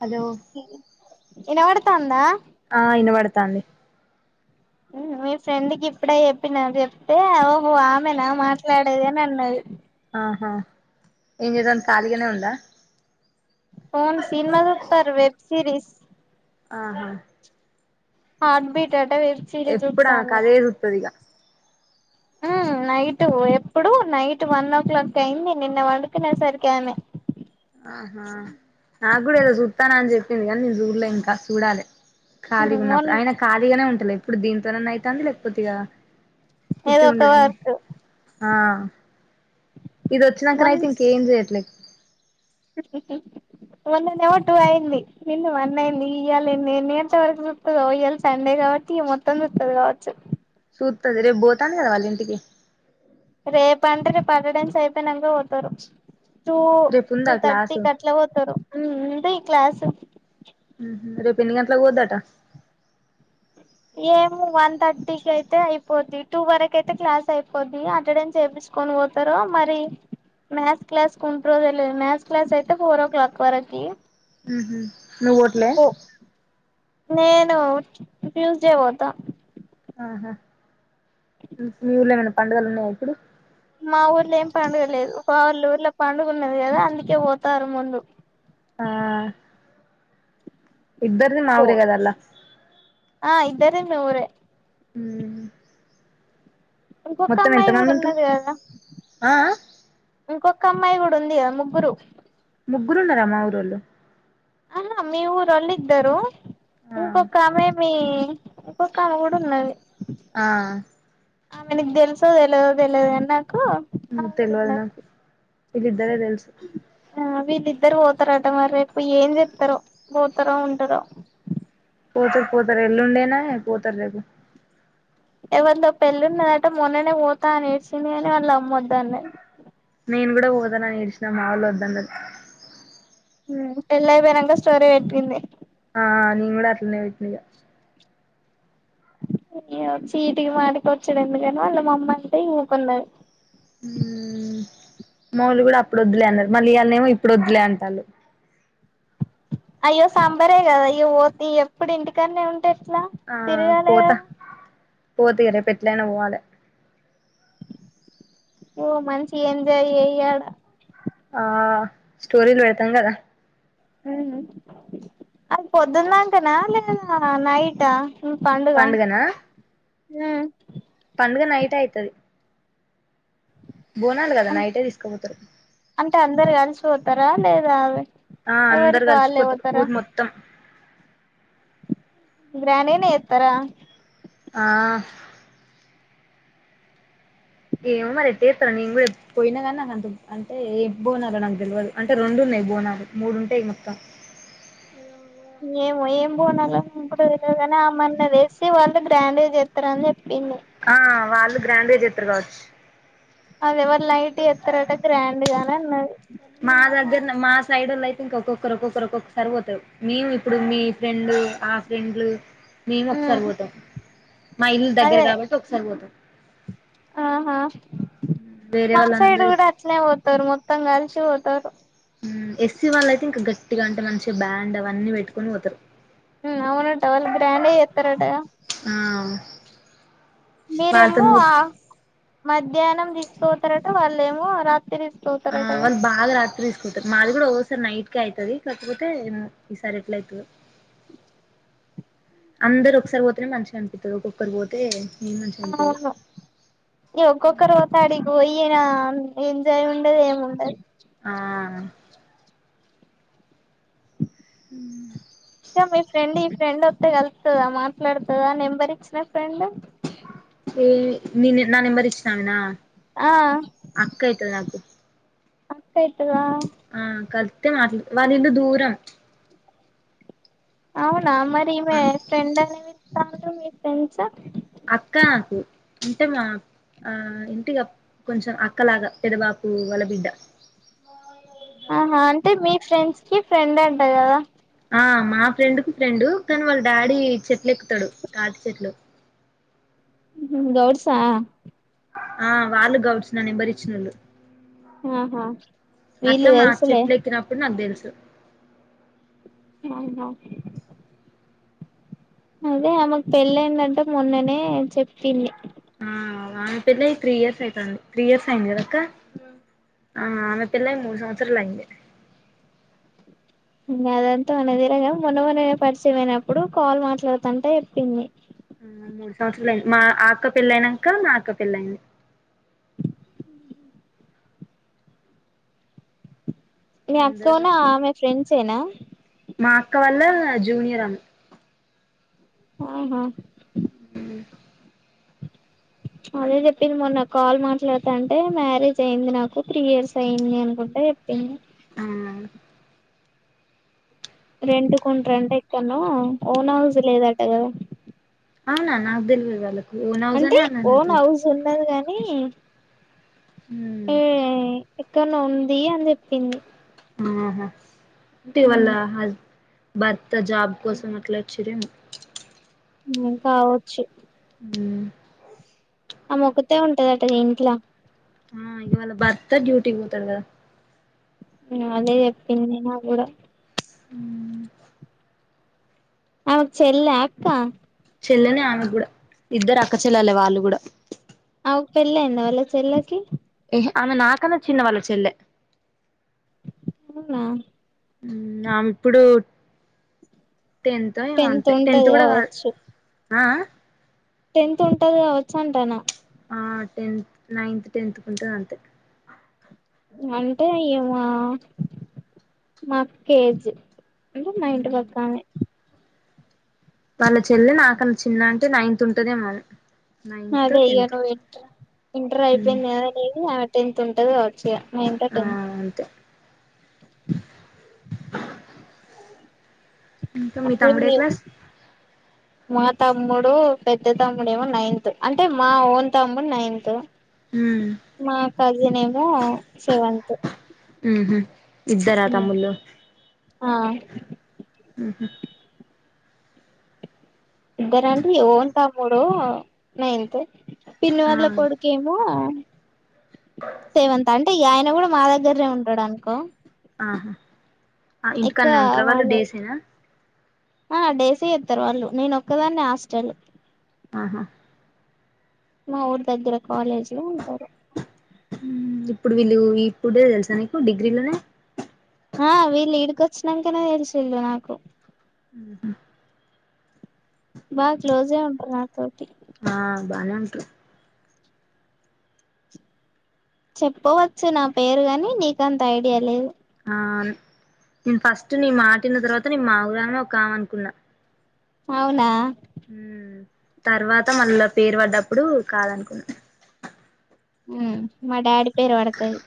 Hello వినబాడతా ఉందా ఆ ఇనపడతనది మీ ఫ్రెండ్ క ఇప్పుడే చెప్పిన చెప్తే ఓహో ఆమె నా మాట్లాడేది అని అన్నది ఆహా ఇ త కాలిగానే ఉంద ఫన్ సినిమా చెప్తారు వెబ్ సిరిస్ ఆహా హార్ట్ బీట్ అట వెబ్ సిరీస్ ఎప్పుడు ఆమెకు చూతలు అదే చూత్తది ఇగ నైట్ ఎప్పుడు నైట్ వన్ ఓ క్లాక్ అయింది నిన్న వండుకునే సరికి ఆమె ఆహా నాకు ఏదో చుస్తాను అని చెప్పింది కానీ నేను చూర్లో ఇంకా చూడాలి ఖాళీగా మొన్ ఉప్పుడు ఆయన ఖాళీగానే ఉంటలే ఇప్పుడు దీంతోనన్నా అయితుంది లేకపోతే ఇక ఏదో ఒక వర్క్ ఆ ఇది వచ్చినాక మొన్ అయితే ఇంక ఏం చెయట్లే మొన్న నేమో టూ అయింది నిన్న వన్ అయింది ఇయ్యల్ ఎన్ని గంటల సప్తుదయ్యల్ సండేగా టి మొత్తం కా వచ్చు సూట్ అది రేపు పోతాదిగా వాళ్ళింటికి రేపు అంటే రేపు అటెండెన్స్ అయిపోయినాక పోతారు టూ రేపు ఉందా టూ థర్టీ క్లాసు క అట్లా పోతారు అంతే ఈ క్లాసు రేపు ఎన్ని గంటల పోద్దాట ఏమ వన్ థర్టీ క అయితే అయిపోద్ది టూ వరకు అయితే క్లాస్ అయిపోద్ది అటెండెన్స్ ఏమి తీసుకొని పోతారు మరి మ్యాథ్స్ క్లాస్ కుంట రోజు లేదు మ్యాథ్స్ క్లాస్ అయితే ఫోర్ ఓ క్లాక్ వరకు నువ్ పోట్లే నేను ట్యూస్డే పోతా ఆహా మీ ఊర్ళమనా పండుగలు ఉన్నాయా ఇప్పుడు మా ఊర్లో ఏం పండుగ లేదు వా వాళ్ళ ఊర్లో పండుగ ఉన్నది కదా అందుకే పోతారు ముందు ఆ ఇద్దరిది ఓ మాఊరే కడవల్ల అదే నఊరే హ ఇంకొక అమ్మాయి కూడా ఉన్నది కదా ఆ ఆ ఇంక క అమ్మాయి కూడా ఉంది కదా ముగ్గురు ముగ్గురు ఆ మా ఊరోళ్ళు అనా మీ ఊరు అళ్ళద్దారు ఆ ఇంకొకమెే మీ ఇప్పు కళగూడ ఉన్నది ఆ ఆమె నీకు తెలుసో తెలియదో తెలియదు కానీ మ్మ ఆమె కూడా తెలవదు ఉన్నది నాకు వీళ్ళిద్దరే తెలుసు ఇద్దరు పోతారంట మరి రేపు ఏం చెప్తారో పోతారో ఉంటారో పోతారు పోతారు ఎల్లుండేనా పోతారు రేపు ఎవరితో పెళ్ళిన్నదట మొన్ననే పోతానేసిది అని వాళ్ళు అమ్మొద్దన్న నేను కూడా పోత అని ఏడ్చినా మా ఒళ్ళు వద్దన్నారు పెళ్లి అయిపోయినాక స్టోరీ పెట్టుకుంది ఆ నేను కూడా అట్లనే విట్నీయ చీటికి మాటకొచుడు ఎందుకని వాళ్ళ మా అమ్మ అంటే ఉక్కున్నది ఉమ్ మా వాలు కూడా అప్పుడు వద్దులే అన్నారు మళ్ళీ ఇయల ఏమో ఇప్పుడు వద్దులే అంటారు అయ్యో సాంబరే కదా ఇగ పోతే ఎప్పుడు ఇంటికనే ఉంటే ట్లా తిరగాలి కదా పోతే ఇగ రేపేట్లైన పోవాలి ఓ మంచిగ ఎంజాయ్ చేయి ఆడ ఆ స్టోరీలు వెడతాం కదా ఉమ్ అది పొద్దున్నాకనా లేదా నైటా పండగనా ఆ పండగ నైట్ అయితది బోనాలు కదా నైటే తీసుకుపోతారు దరు కలిసిపోతారా లేదా అ ఆ అందరు కలిసిపోతారు ఊరు మొత్తం గ్రాండ్ గానే యితర ఆ ఏమ్ మరి ఏటా చేసారో నేను కూడా ఎప్పు పోయినా కానీ నాకు అంత అంటే ఏం బోనాలో నాకు తెలవదు అంటే రెండు ఉన్నాయి బోనాలు మూడుంటాయి మొత్తం ఏమో ఏం బోనాలో ఇండు తెలీదు కాని ఆమన్న వేసి వాళ్ళు గ్రాండ్ గా చేస్తారని చెప్పింది ఆ వాళ్ళు గ్రాండ్గా చెత్రారు కావచ్చు అది ఎవరి లైట్ ఎత్రట గ్రాండ్గానే అన్నది మా దగ్గర మా సైడోలు అయితే ఇంక ఒక్కొక్కరు ఒక్కొక్కరు ఒక్కొక్కసారి పోతరు మేము ఇప్పుడు మీ ఫ్రెండ్ ఆ ఫ్రెండ్ మేము ఒకసారి ఉమ్ పోతాం మా ఇల్లు దగ్గర అదే కాబట్టి ఒకసారి పోతాం ఆహా వేరే మా సైడ్ వాళ్ళందరూ కూడా అట్నే పోతరు మొత్తంగాల్చ పోతు తరు ఉమ్ ఎస్సీ వాళ్ళయితే ఇంకా గట్టిగా అంటే మంచిగా బ్యాండ్ అవన్నీ పెట్టుకొని పోతారు ఊ అవునట వాళ్లు గ్రాండగా చేస్తారటగా ఆ మీరేమో వాళ్ళతోని పో ఆ మధ్యాహ్నం తీసుకోపోతారట వాళ్ళేమో రాత్రి తీసు ఆ వాళ్ళు బాగా రాత్రి పోతారు మాది కూడా ఒకసారి నైట్క అయితది కాకపోతే ఈసారి ఎట్ల అయితదొ అందరు ఒకసారి పోతేనే మంచిగా అనిపిస్తది ఒక్కొక్కరు పోతే మంచిగా అనిపియదు అవును ఒకొక్కరు పోతే అడికి పోయిన ఏంజాయ ఉండది ఏముండదు ఆ ఇంకా మీ ఫ్రెండ్ ఈ ఫ్రెండ్ వస్తే కలుతదా మాట్లాడుతదా నెంబర్ ఇచ్చిన ఫ్రెండ్ నిను నా నెంబర్ ఇచ్చినా ఆమేనా ఆ అక్క అయితది నాకు అక్కయితద ఆ కలితే మాట వాల ఇల్లు దూరం అవునా మరి ఆ ఈమె ఫ్రెండ్ అనేవి మీ ఫ్రెండ్స్ అక్క నాకు అంటే మా ఆ ఇంటిగా కొంచెం అక్కలాగా పెదబాపు వల బిడ్డ ఆహా అంటే మీ ఫ్రెండ్స్ కి ఫ్రెండ్ అంట కదా ఆ మా ఫ్రెండ్ కు ఫ్రెండు కానీ వాళ్ళ డాడీ చెట్లు ఎక్కుతాడు తాటి చెట్లు గౌడ్సా ఆ వాళ్ళు గౌడ్స్ నా నెంబర్ ఇచ్చిన వాళ్ళు ఆహా అట్లా వీళ్ళు మా తెలుసులే చెట్లు ఎక్కినప్పుడు నాకు తెలుసు అవునా అదే ఆమెకు పెళ్ళయిందంటా మొన్ననే చెప్పింది. ఆ ఆమె పెళ్ళై త్రీ ఇయర్స్ అయితంది, త్రీ ఇయర్స్ అయింది కదాక్క. ఆ ఆమె పిళ్ళై మూడు సంవత్సరలు అయింది. ఉ అదంతా మనకి తెలియదు కాని మొన్న మొన్ననే పరిచయమయినప్పుడు కాల్ మాట్లాడతంటే చెప్పింది. ఆ మూడు సంవత్సరాలుయింది మా ఆ అక్క పెళ్ళయినాక మా అక్క పెళ్ళయింది. మీ అందరు అక్కోను ఆమె ఫ్రెండ్సేనా మా అక్క వాళ్ళ జూనియర్ ఆమె ఆ హా ఉ [inaudible] అదే చెప్పింది మొన్న కాల్ మాట్లాడతంటే మ్యారేజ్ అయింది నాకు త్రీ ఇయర్స్ అయింది అనుకుంటా చెప్పింది. అవునా రెంటుకి వుంరంటా ఎక్కనో ఓన్ హౌస్ లేదంట కదా. అవునా నాకు తెల్వద్ వాళ్ళు అంటే ఓన్ హౌస్ ఉండదు గాని ఉ క్కన్నో ఉంది అని చెప్పింది. ఆహా అంటే వాళ్ళ ఉమ్ హస్ భర్త జాబ్ కోసం అట్లా వచ్చిరేమో నిన్ కావచ్చు ఉ ఆమె ఒక్కతే ఉంటదట కదా ఇంట్లో ఆ ఇగ వాళ్ళ భర్త డ్యూటీికి పోతారు కదా. అదే చొప్పింది నా కూడా. ఉమ్ ఆమెకు చెల్లా అక్క చెల్లనే ఆమె కూడా ఇద్దరు అక్క చెల్లాలే వాళ్ళు కూడా. అవ్ కు పెళ్లి అయిందా వాళ్ళ చెల్లికి ఆమె నాకన్నా చిన్న వాళ్ళ చెల్లె అవునా ఉ ఆమె ఇప్పుడు టెన్తో ఏమో అంతే టెన్త్ ఉంటది కూడా కాదు కావచ్చు ఆ ఆ టెన్త్ ఉంటది కావచ్చు అంటన్నా ఆ టెన్త్ నైన్త్ టెన్త్ కుంటది అంతే అంటే ఇమ్మా మా అక్క ఏజ్ అంటే మా ఇంటి పక్కనే వాళ్ళ చెల్లె నాకన్న చిన్న అంటే నైన్త్ ఉంటదేమో. నైన్త్ అదే ఇగ టెన్త్ నువ్ ఎంట ఎంటర్ అయిపోయింద లేదు ఆమెక్ ఉంటది కావచ్చు ఇగ నైన్తో ఆ టెన్తో అంతే ఇంకా మీ అదే తమ్ముడు ఏ మేము క్లాస్ మా తమ్ముడు పెద్ద తమ్ముడేమో నైన్త్ అంటే మా ఓన్ తమ్ముడు నైన్తు. మా కజిన్ ఏమో సెవెన్త్ ఉహు ఇద్దరా తమ్ముళ్ళు ఆ ఉహు ఇంకొరంటే ఓన్ తమ్ముడు నైన్త్ పిన్న వాళ్ళ కొడుకేమో సెవెన్త్ అంటే ఇగ ఆయన కూడా మా దగ్గరనే ఉంటాడనుకో. ఆహా ఆ ఇంటికన్నే ఉంటారా వాళ్ళు డేసేనా. ఆ డేసే వస్తారు వాళ్ళు నేనొక్కదాన్నే హాస్టలు. ఆహా మా ఊరి దగ్గర కాలేజీలో ఉంటారు. ఇప్పుడు వీళ్ళు ఇప్పుడే తెలుసా నీకు డిగ్రీలోనే ఆ వీళ్ళు ఈడికొచ్చినాకనే తెలిసింది నాకు బాగా క్లోజే ఉంటరు నా తోటి ఆ బానే ఉంటరు చెప్పవచ్చు నా పేరు గాని నీకంత ఐడియా లేదు ఆ నేను ఫస్ట్ నీ మాటివిన్న తర్వాత మాఊరు ఆమె ఒక ఆమె అనుకున్నా అవునా ఉ తర్వాత మళ్ళా పేరు పడ్డప్పుడు కాదనుకున్నాం మా డాడీ పేరు పడతది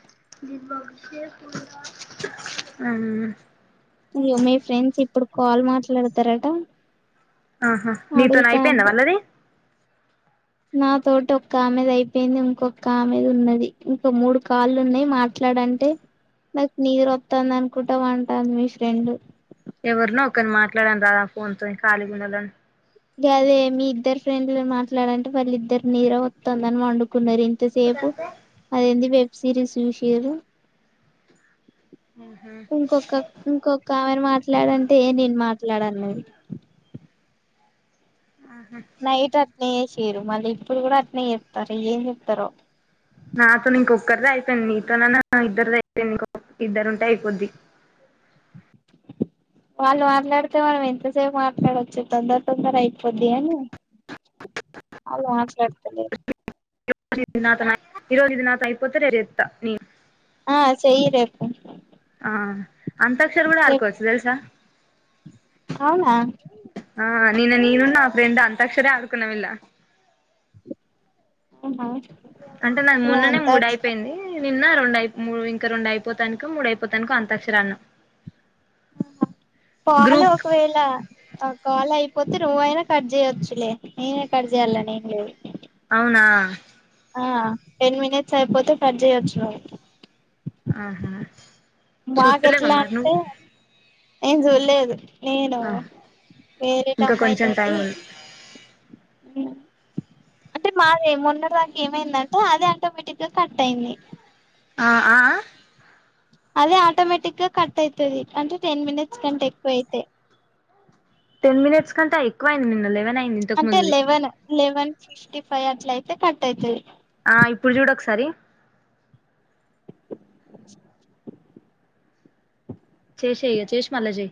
మ్ అయ్యో మీ ఫ్రెండ్స్ ఇప్పుడు కాల్ మాట్లాడతరట ఆహా నీతోనే అయిపోయింద వాళ్ళది నా తోటి ఒక్క ఆమెది అయిపోయింది ఇంకొక ఆమెది ఉన్నది ఇంకో మూడు కాళ్ళు ఉన్నాయి మాట్లాడ అంటే నాకు నీదరోతంది అనుకుంటా పంటాంది మీ ఫ్రెండ్ ఎవరనో ఒకరిని మాట్లాడను రాదా ఫోన్ తో ఖాళీ గునాలని అదే మీ ఇద్దరు ఫ్రెండ్లు మాట్లాడంటే వాళ్ళ ఇద్దరు నీద రోతదని పండు న్నారు ఇంతసేపు అదేంది వెబ్ సిరీస్ చూసిరు ఇంకొక ఇంకొక ఆమెన మాట్లాడంటే ఎ నేను మాట్లాడ మాట్లాడన్నాది నైట్ అట్నేయ్య చేసిరు మళ్ళీ ఇప్పుడు కూడా అట్నే చెస్తరు ఏం చెప్తారో నాతోను ఇంకొక్కరిది అయిపోయింది నీతోన ఇద్దరిది అయిపోంది ఇంకొ ఇద్దరు ఉంటే అయిపోద్ది [inaudible] వాళ్ళు మాట్లాడితే మనం ఎంతసేపు మాట్లాడొచ్చు తొందర తొందర అయిపోద్ది అని అళ్ళు మాట్లాడుతలేరు ఇరోజ ఇ నాది అయిపోత రేపు చేసత్తా నేను ఆ చేయి రేపు ఆ అంతాక్షర గూడా ఆడు రేపు కొవచ్చు తెల్సా అవునా నిన్న నేను నా ఫ్రెండ్ అంతాక్షరే ఆడుకోనమ్ ఇల్లా అవునా అంటే నాకు ముూన్ననే మూడు అయిపోయింది నిన్న రెండుయి ఇంకా రెండు అయిపోతానుక మూడు అయిపోతానుకో అంతక్షరాడినము పాలు ఒకవేళ కాల్ అయిపోతే నువ్వైనా కట్ చేయొచ్చులే నేనే కట్ చేయాలని నేం లేదు అవునా ఆ టెన్ మినిట్స్ అయిపోతే కట్ చేయొచ్చు నువ్వు ఆహా మాక చూత్తలేవా ఎట్లా మరి నువ్వు అంటే ఏం చూడలేదు నేను ఆ ఇంకా వేరేటమ్మాయి కొంచెం టైం తోటి ఉంది [inaudible] అంటే మాది ఏ మొన్నడ దాక ఏమైందంటే అది ఆటోమేటిక్ గా కట్ అయింది ఆ ఆ... అదే ఆటోమేటిక్ గా కట్ అయితది అంటే టెన్ మినిట్స్ కంటే ఎక్కువ అయితే టెన్ మినిట్స్ కంటే ఎక్కువయింది నిన్న లెవన్ అయిన్ది అంటే లెవెన్ లెవెన్ ఫిఫ్టీ ఫైవ్ అట్ల అయితే కట్ అయితది ఆ ఇప్పుడు చూడు ఒకసారి [inaudible] చేేషయ్ఇగా చేేషి మల్లా చెయ్